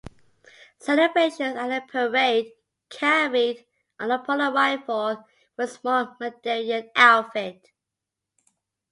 Celebrations and a parade carried on upon arrival for the small Madeiran outfit.